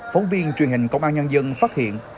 phóng viên truyền hình công an nhân dân phát hiện